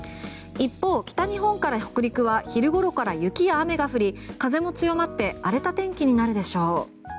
一方、北日本から北陸は昼ごろから雪や雨が降り風も強まって荒れた天気になるでしょう。